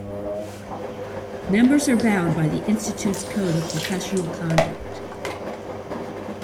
Members are bound by the institute's Code of Professional Conduct.